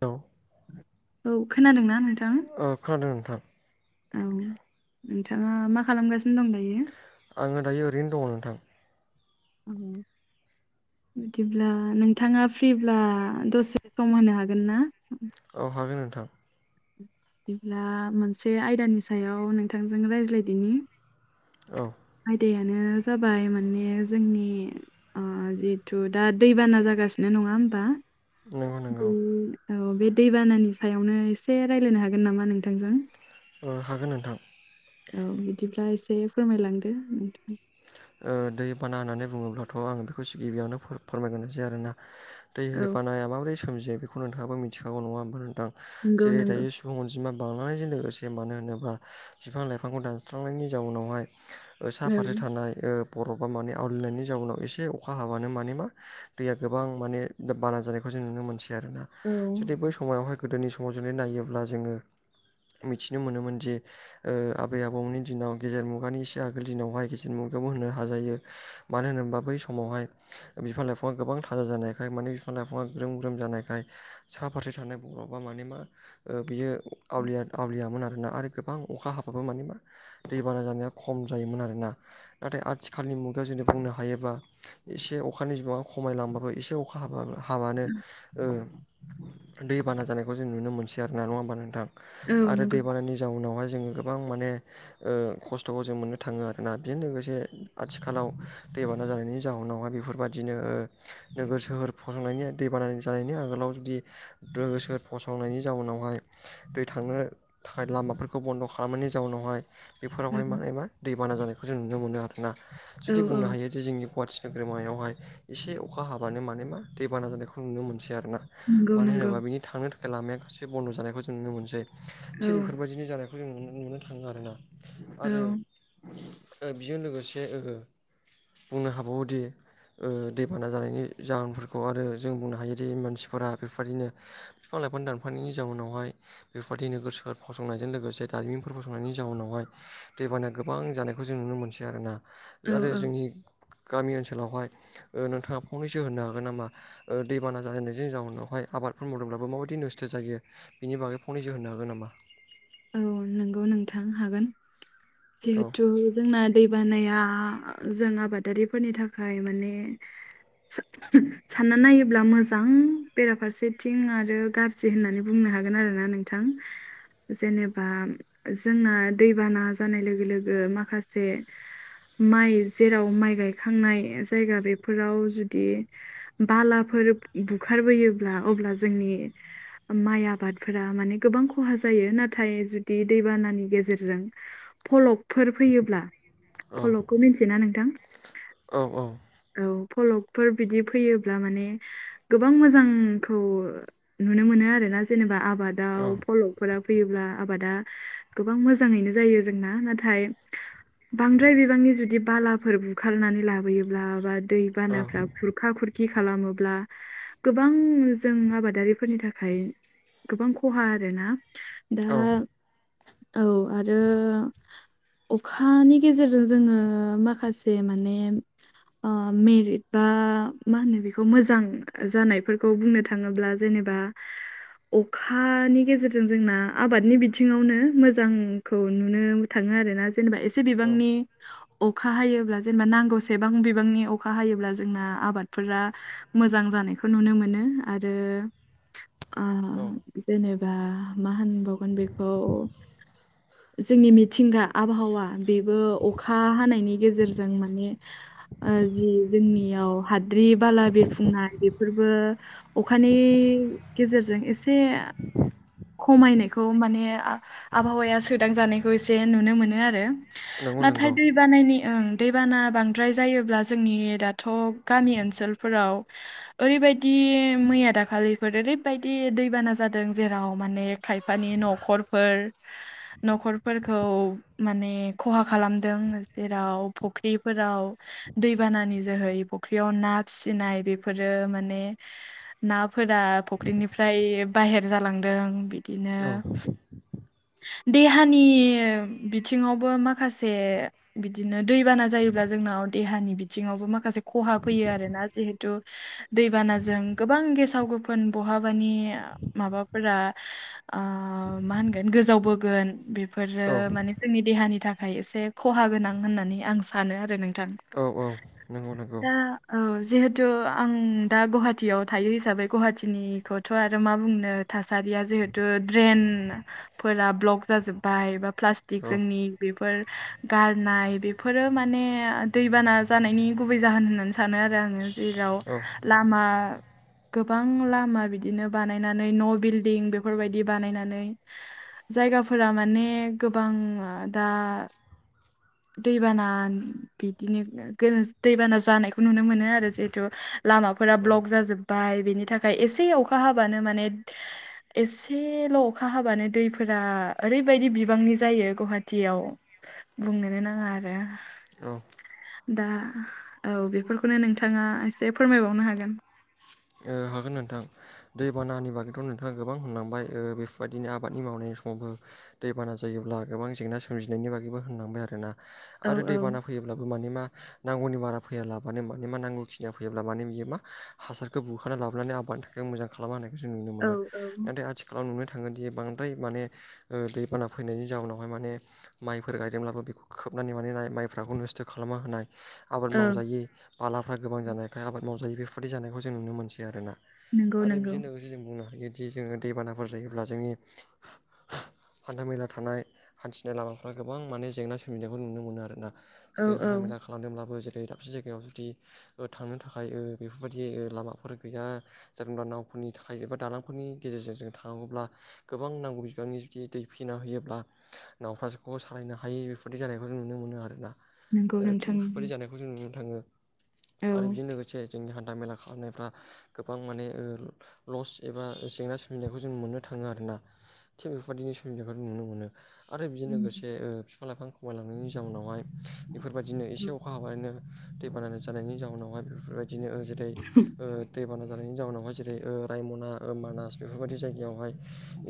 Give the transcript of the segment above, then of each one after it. औ औ खोनादोंना नोंथां? ओ खोनादों नोंथां। औ नोंथाङा मा खालामगासिनो दं दायो? आङो दायो ओरैनो दङ नोंथां। [unintelligible] बिदिब्ला नोंथाङा फ्रिब्ला दसे सम होनो हागोन ना? औ हागोन नोंथां। बिदिब्ला मोनसे आयदानि सायाव नोंथांजों रायज्लायदिनि औ आयदायानो जाबाय माने जोंनि आ जिहेथु दा दैबाना जागासिनो नङा होमबा? नंगौ नंगौ बे औ बे दैबानानि सायावनो एसे राय्लायनो हागोन नामा नोंथांजों? ओ हागोन नोंथां। औ बिदिब्ला एसे फोरमायलांदो नोंथां ओ दै बाना होननानै बुङोब्लाथ' आं बेखौ गिबियावनो फोरमायगोन जै आरोना दै औ बानाया माबोरै सोमजियो बेखौ नोंथाङाबो मिथिखागौ नङा होमबा नोंथां नंगौ जेरै नंगौ दायो सुबुं अनजिमा बांलनायजों लोगोसे मानो होनोब्ला बिफां लाइफांखौ दानस्रांनायनि जाउनावहाय सा फारसे थानाय ओ बरफ बा माने आवलिनायनि जाउनाव एसे अखा हाबानो माने मा दैया गोबां माने दा बाना जानायखौ जों नुनो मोनसै आरोना औ जुदि बै समायावहाय गोदोनि समाव जुदि नायोब्ला जोङो मिथिनो मोनोमोनदि ओ आबै आबौमोननि दिनाव गेजेर मुगानि एसे आगोल दिनावहाय गिसिर मुगायावबो होनो हाजायो मानो होनोबा बै समावहाय बिफां लाइफाङा गोबां थाजा जानायखाय माने बिफां लाइफाङा ग्रोम ग्रोम जानायखाय साहा फारसे थानाय बरफ बा माने मा ओ बियो आवलिया आवलियामोन आरोना आरो गोबां अखा हाबाबो माने मा दै बाना जानाया खम जायोमोन आरोना नाथाय आथिखालनि मुगायाव जुदि बुंनो हायोबा एसे अखानि बिबाङा खमायलांबाबो एसे अखा अखा हाबा हाबानो ओ दै बाना जानायखौ जों नुनो मोनसै आरो ना नङा होमबा नोंथां औ आरो नंगौ दै बानायनि जाउनावहाय जोङो गोबां माने ओ खस्थ'खौ जों मोननो थाङो आरोना बेजों लोगोसे जे आथिखालाव दैबाना जानायनि जाहोनावा बेफोरबायदिनो ओ नोगोर सोहोर फसंनायनि दैबाना जानायनि आगोलाव जुदि सोर फसंनायनि जाउनावहाय दै थांनो थाखाय लामाफोरखौ बन्द' खालामनायनि जाउनावहाय बेफोरावहाय औ माने मा दैबाना जानायखौ जों नुनो मोनो आरोना औ जुदि बुंनो हायो। बि जोंनि गुवाहाटि नोगोरमायावहाय एसे अखा हाबानो माने मा दैबाना जानायखौ नुनो मोनसै आरो ना नंगौ मानो नंगौ होनोबा बिनि थांनो थाखाय लामाया गासै बन्द' जानायखौ जों नुनो मोनसै औ थिग बेफोरबायदिनो जानाय जों नुनो थाङो आरोना औ आरो बेजों लोगोसे ओ बुंनो हाबावोदि ओ दैबाना जानायनि जाहोनफोरखौ आरो जों बुंनो हायोदि मानसिफोरा बेबादिनो बिफां लाइफां दानफांनायनि जाउनावहाय बेफोरबायदि नोगोर सोहोर फसंनायजों लोगोसे दारिमिनफोर फसंनायनि जाउनावहाय दैबाना गोबां जानाय खौ जों नुनो मोनसै आरोना औ आरो औ जोंनि गामि ओनसोलावहाय ओ नोंथाङा फंनैसो होनो हागोन नामा ओ दैबाना जालायनायनायनि जाउनावहाय आबादफोर मावदोंब्लाबो माबायदि नस्थ' जायो बिनि बागै फंनैसो होननो हागोन नामा औ नंगौ नोंथां हागोन औ जिहेथु जोंना दैबानाया जों आबादारिफोरनि थाखाय माने [unintelligible] सानना नायोब्ला मोजां बेराफारसेथिं आरो गाज्रि होननानै बुंनो हागोन आरोना नोंथां जेनेबा जोंना दैबाना जानाय लोगो लोगो माखासे माइ जेराव माइ गायखांनाय जायगा बेफोराव जुदि बालाफोर बुखारबोयोब्ला अब्ला जोंनि माइ आबादफोरा माने गोबां खहा जायो नाथाय जुदि दैबानानि गेजेरजों फलकफोर फैयोब्ला औ फलकखौ मिथियोना नोंथां? औ औ फलबफोर बिदि फैयोब्ला माने गोबां मोजांखौ नुनो मोनो आरोना जेनेबा आबादाव औ फल' फोरा फैयोब्ला आबादा गोबां मोजाङैनो जायो जोंना नाथाय बांद्राय बिबांनि जुदि बालाफोर बुखारनानै लाबोयो ब्ला दैबानाफ्रा खुरखा खुरखि खालामोब्ला गोबां जों आबादारिफोरनि थाखाय गोबां खहा आरोना दा औ औ आरो अखानि गेजेरजों जोङो माखासे माने ओ मेरिट बा मा होनो बेखौ मोजां जानायफोरखौ बुंनो था थाङोब्ला जेनेबा अखानि गेजेरजों जों जोंना आबादनि बिथिंआवनो मोजांखौ नुनो थाङो आरोना जेनेबा एस सि औ बिबांनि अखा हायोब्ला जेनेबा नांगौसेबां बिबांनि अखा हायोब्ला जोंना आबादफोरा मोजां जानायखौ नुनो मोनो आरो औ ओ जेनेबा मा होनबावगोन बेखौ जोंनि मिथिंगा आबहावा बेबो अखा हानायनि गेजेरजों माने ओ जि जोंनियाव हाद्रि बाला बिरफुंनाय बेफोरबो अखानि गेजेरजों एसे खमायनायखौ माने आबहावाया सोदांजानायखौ एसे नुनो मोनो आरो नंगौ नाथाय नंगौ दैबानायनि ओं दैबाना बांद्राय जायोब्ला जोंनि दा थ' गामि ओनसोलफोराव ओरैबायदि मैया दाखालिफोर ओरैबायदि दैबाना जादों जेराव माने खायफानि न'खरफोर न'खरफोरखौ माने खहा खालामदों। जेराव फख्रिफोराव दैबानानि जोहै फख्रियाव ना फिसिनाय बेफोरो माने नाफोरा फुख्रिनिफ्राय बाहेर जालांदों। बिदिनो औ देहानि बिथिङावबो माखासे बिदिनो दैबाना जायोब्ला जोंनाव देहानि बिथिङावबो माखासे खहा फैयो आरोना। जिहेतु दैबानाजों गोबां गेसाव गोफोन बहाबानि माबा फोरा आ मा होनगोन गोजावबोगोन। बेफोरो औ माने जोंनि देहानि थाखाय एसे खहा गोनां होननानै आं सानो आरो नोंथां। औ औ नंगौ नंगौ ओ। औ जिहेथु आं दा गुवाहाटीयाव थायो हिसाबै गुवाहाटीनिखौथ' आरो मा बुंनो। थासारिया जिहेथु ड्रेन फोरा ब्लक जाजोब्बाय बा प्लास्टिक औ जोंनि बेफोर गारनाय बे फोरो माने दैबाना जानायनि गुबै जाहोन होननानै सानो आरो आङो। जेराव औ लामा गोबां लामा बिदिनो बानायनानै न' बिल्दि बेफोरबायदि बानायनानै जायगाफोरा माने गोबां दा दैबाना बिदिनो दैबाना जानायखौ नुनो मोनो आरो जिहेथु लामाफोरा औ ब्लक जाजोब बाय। बिनि थाखाय एसे अखा हाबानो माने एसेल' अखा हाबानो दैफोरा ओरैबायदि बिबांनि जायो गुवाहाटीयाव। बुंनोनो नाङा आरो। ओ दा औ बेफोरखौनो नोंथाङा एसे फोरमायबावनो हागोन। ओ हागोन नोंथां। दैबानानि बागैथ' नोंथाङा गोबां होनलांबाय। ओ- बेफोरबायदिनो आबादनि मावनाय समावबो दैबाना जायोब्ला गोबां जेंना सोमजिनायनि बागैबो होनलांबाय आरोना औ आरो औ दैबाना फैयोब्लाबो माने मा नांगौनि बारा फैयाला मानो मान मा नांगौ खिनिया फैयोब्ला माने बियो मा हासार खौ बुखारना लाबोनानै आबादानि थाखाय मोजां खालामनो होनानायखौ जों नुनो औ मोनो। औ नाथाय आथिखाल खालाम नुनो थांगोनदि बांद्राय माने ओ- दैबाना फैनायनि जाउनावहाय माने माइफोर गायदोंब्लाबो बेखौ खोबनानै मानाय होनाय माइफाब नस्थ' खालामना होनाय आबाद औ मावजायो बालाफ्रा गोबां जानायखाय आबाद मावजायो बेफोरदि जानायखौ जों नुनो मोनसै आरोना। नंगौ आरो नंगौ बेजों लोगोसे जों बुंनो हायोदि जोङो दैबानाफोर जायोब्ला जोंनि [inaudible] हान्था मेला थानाय हान्थिनाय लामाफोरा गोबां माने जेंना सोमजिनायखौ नुनो मोनो आरोना। औ जेरै हान्था औौ मेला खालामदोंब्लाबो जेरै दाबसे जायगायाव जुदि थांनो थाखाय ओ-बेफोरबायदि बे लामाफोर गैया जबा नावफोरनि थाखाय एबा दालांफोरनि गेजेरजों जों थांनांगौब्ला गोबां नांगौ बिबांनि जुदि दै फैना होयोब्ला नाफ्र्राोखौ सालायनो हायि बेफोरदि जानायखौ जों नुनो मोनो आरोना। नंगौ ओ थाक नोंथां बेबादि जानायखौ जों नुनो थाङो औ आरो। बेजों लोगोसे जोंनि हान्था मेला खालामनायफ्रा गोबां माने लस एबा जेंना सबिनायखौ जों मोननो थाङो आरोना। थिग बेफोरबायदिनि सुबिदाखौ नुनो मोनो। आरो बिजों लोगोसे ओ- बिफां लाइफां खमायलांनायनि जाउनावहाय बेफोरबायदिनो एसे अखा हाब बानो दैबाना जानायनि जाउनावहाय बेफोरबायदिनो ओ- जेरै दैबाना जानायनि जाउनावहाय जेरै ओ- रायमना ओ- मानास बेफोरबायाददि जायगायावहाय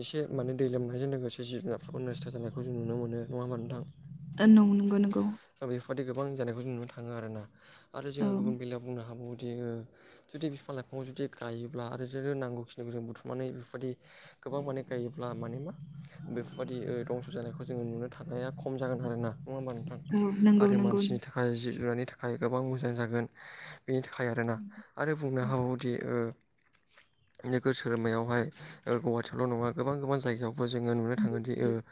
एसे माने दै लोमनायजों लोगोसे जिब जुनारफोरखौ नस्थ' जानायखौ जों नुनो मोनो नङा होमा नोंथां। औ नंगौ नंगौ। दा बेफोरबादि गोबां जानायखौ जों नुनो थाङो आरोना आरो औ जोङो गुबुन बेलायाव बुंनो हाबावोदि ओ जुदि बिफां लाइफाङाव जुदि गायोब्ला आरो जोनो नांगौखिनिखौ जों बुथुमनानै बेफोरबादि गोबां माने गायोब्ला माने मा बेफोरबादि आ दंस' जानायखौ जोङो नुनो थानाया खम जागोन आरो ना नङा होमबा नोंथां? औ नंगौ आरो नंगौ मानसिनि था खाय जिब जुनारनि थाखाय गोबां मोजां जागोन बेनि थाखाय आरोना। आरो बुंनो हाबावोदि ओ नोगोर सोहोरमायावहाय गुवाहाटियावल' नङा गोबां गोबां जायगायावबो जोङो नुनो थाङोनदि ओ औ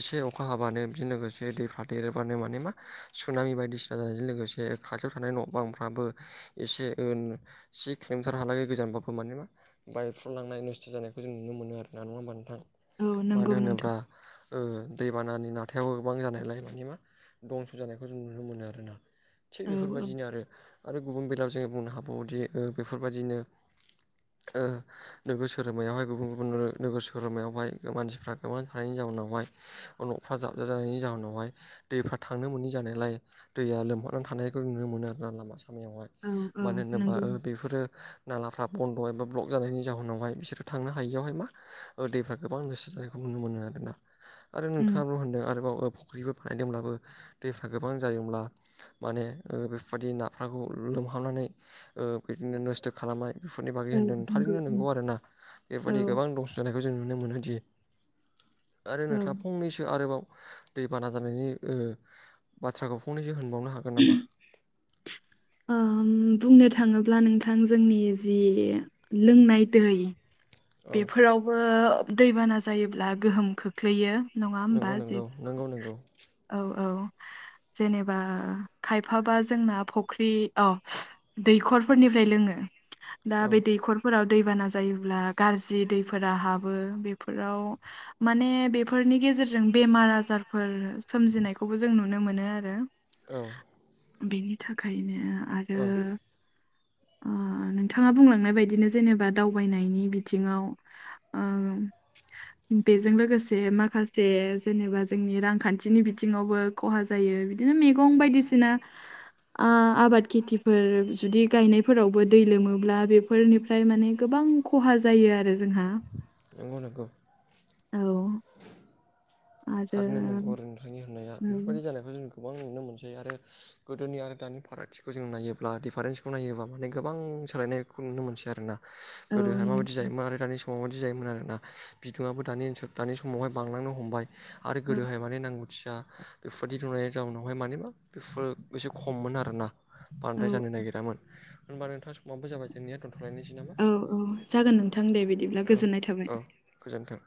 एसे अखा हाबानो बिजों लोगोसे दैफा देरोबानो माने मा सुनामि बायदिसिना जानायजों लोगोसे खाथियाव थानाय न' बांफ्राबो एसे से ओ से किल'मिटार हालागै गोजानबाबो माने मा बायफ्लंलांनाय नस्थ' जानायखौ जों नुनो मोनो आरोना नङा होमबा नोंथां। नंगौ मानो नोंथां होनोब्ला ओ दैबानानि नाथायाव गोबां जानायलाय मानि मा दंस' जानायखौ जों नुनो मोनो आरोना थिग औ औ बेफोरबायदिनो आरो गुबुन बेलायाव जोङो बुंनो हाबवोदि ओ बेफोरबायदिनो ओ नोगोर सहोरमायावहाय गुबुन गुबुन नो नोगोर सोहोमायावहाय मानसिफ्रा गोबां थानायनि जाहोनावहाय न'फ्रा जाबजाब जानायनि जाहोनावहाय दैफ्रा थांनो मोनै जानायलाय दैया लोमहनानै थानायखौ नुनो मोनो आरोना लामा सामायावहाय। औ औ मानो होनोबा नंगौ ओ बेफोरो नालाफ्रा बन्द' एबा ब्लक जानायनि जाहोनावहाय बिसोरो थांनो हायियावहाय मा दैफ्रा गोबां गोसा जानायखौ नुनो मोनो आरो दा आरो उम नोंथाङाबो होनदों आरोबाव ओ फुख्रिफोर बानायदोंब्लाबो दैफ्रा गोबां जायोमब्ला माने ओ बेफोरबादि नाफ्राखौ लोमहाबनानै ओ बिदिनो नोस्थ' खालामनाय बेफोरनि बागै औ होनदों थारैनो उम नंगौ आरोना औ बेफोरबायदि गोबां दंस जानायखौ जों नुनो मोनोदि आरो औ नोंथा फंनैसो आरोबाव दै बाना जानायनि ओ बाथ्राखौ फंनैसो होनबावनो हागोन नामा? ओम बुंनो थाङोब्ला नोंथां जोंनि जि लोंनाय दै औ बेफोरावबो दैबाना जायोब्ला गोहोम खो ख्लैयो नङा होमबा नंगौ जे नंगौ नंगौ नंगौ औ औ। जेनेबा खायफाबा जोंना फुख्रि अ दैखरफोरनिफ्राय लोङो दा औ बे दैखरफोराव दैबाना जायोब्ला गाज्रि दैफोरा हाबो बेफोराव माने बेफोरनि गेजेरजों बेमार आजारफोर सोमजिनायखौबो जों नुनो मोनो आरो। औ। बेनि थाखायनो आरो औ नोंथाङा बुंलांनाय बायदिनो जेनेबा दावबायनायनि बि बिथिङाव आ बेजों लोगोसे माखासे जेनेबा जोंनि रांखान्थिनि बिथिङावबो खहा जायो बिदिनो मैगं बायदिसिना आबाद खेथिफोर जुदि गायनायफोरावबो दै लोमोब्ला बेफोरनि फ्राय माने गोबां खहा जायो आरो। जोंहा नंगौ नंगौ। औ [inaudible] आरो थारैनो नंगौ नोंथांनि होननाया बेफोरबायदि जानायखौ जों गोबां नुनो मोनसै आरो गोदोनि आरो दानि फारागथिखौ जों नायोब्ला दिडिफारेन्सखौ नायोब्ला माने गोबां सोलायनायखौ नुनो मोनसै आरो ना। औ गोदोहाय नंगौ माबायदि जायोमोन आरो दानि समाव माबायदि जायोमोन आरोना बिदुङाबो दानि ओनसोल दानि समावहाय बांलांनो हमबाय। आरो औ गोदोहाय माने नांगौथिया बेफोरबायदि नुनायनि जाउनावहाय माने मा बेफोरो एसे खममोन आरोना औ बांद्राय जानाय नागिरामोन होनबा नोंथां समावाबबो जाबाय जोंनिया दोनथ लायनोसै नामा? औ औ जागोन नोंथां दे बिदिब्ला औ गोजोननाय औ थाबाय। गोजोन्थों।